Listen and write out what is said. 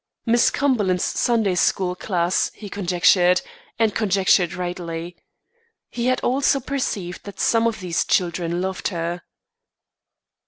Miss Cumberland's Sunday school class, he conjectured, and conjectured rightly. He also perceived that some of these children loved her.